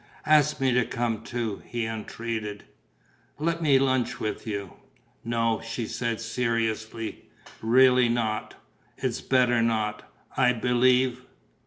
"Ask me to come too," he entreated. "Let me lunch with you." "No," she said, seriously. "Really not. It's better not. I believe...."